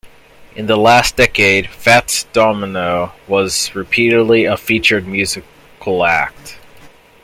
In the last decade, Fats Domino was repeatedly a featured musical act.